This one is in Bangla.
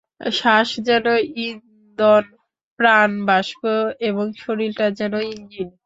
শ্বাস যেন ইন্ধন, প্রাণ বাষ্প এবং শরীরটা যেন ইঞ্জিন।